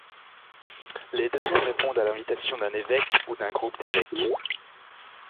Les deuxièmes répondent à l'invitation d'un évêque ou d'un groupe d'évêques.